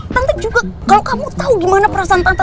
tante juga kalo kamu tau gimana perasaan tante